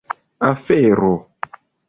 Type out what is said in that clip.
afero